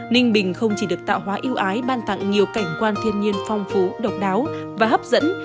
ninh bình không chỉ được tạo hóa yêu ái ban tặng nhiều cảnh quan thiên nhiên phong phú độc đáo và hấp dẫn